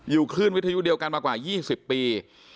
คลื่นวิทยุเดียวกันมากว่า๒๐ปี